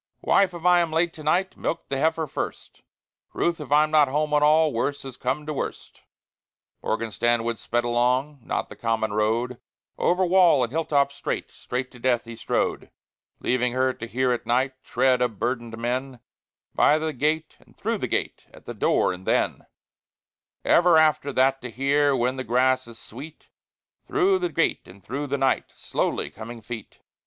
"Wife, if I am late to night, Milk the heifer first; Ruth, if I'm not home at all, Worse has come to worst." Morgan Stanwood sped along, Not the common road; Over wall and hill top straight, Straight to death, he strode; Leaving her to hear at night Tread of burdened men, By the gate and through the gate, At the door, and then Ever after that to hear, When the grass is sweet, Through the gate and through the night, Slowly coming feet.